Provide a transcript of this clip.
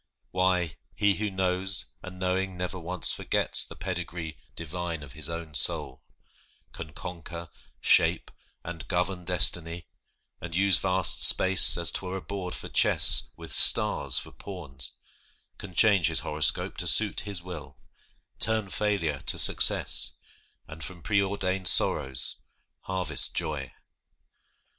Why, he Who knows, and knowing, never once forgets The pedigree divine of his own soul, Can conquer, shape, and govern destiny, And use vast space as 'twere a board for chess With stars for pawns; can change his horoscope To suit his will; turn failure to success, And from preordained sorrows, harvest joy.